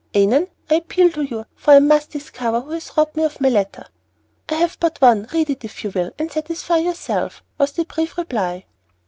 "Annon, I appeal to you, for I must discover who has robbed me of my letter." "I have but one, read it, if you will, and satisfy yourself" was the brief reply.